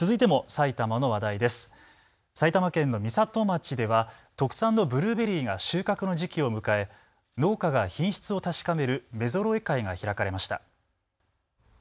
埼玉県の美里町では特産のブルーベリーが収穫の時期を迎え農家が品質を確かめる目揃え会が開かれました。